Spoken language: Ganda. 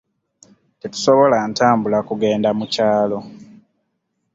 Tetusobola ntambula kugenda mu kyalo.